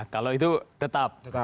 kalau itu tetap